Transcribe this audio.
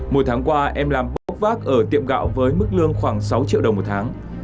một tháng qua em làm bốc vác ở tiệm gạo với mức lương khoảng sáu triệu đồng một tháng